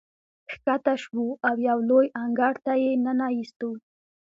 ښکته شوو او یو لوی انګړ ته یې ننه ایستو.